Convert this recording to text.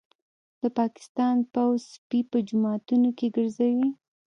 د پاکستان پوځ سپي په جوماتونو کي ګرځوي